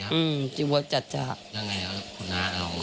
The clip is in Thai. อื้อฉันกลัวจัดฉาก